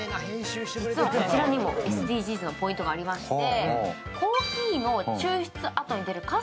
実はこちらにもＳＤＧｓのポイントがありまして。